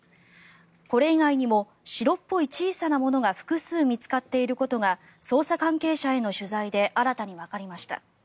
これ以外にも白っぽい小さなものが複数、見つかっていることが捜査関係者への取材で新たにわかりました。